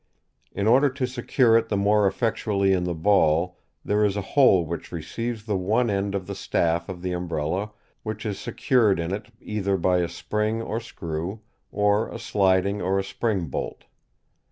In order to secure it the more effectually in the ball, there is a hole which receives the one end of the staff of the umbrella, which is secured in it either by a spring or screw, or a sliding or a spring bolt.